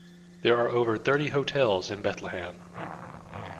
There are over thirty hotels in Bethlehem.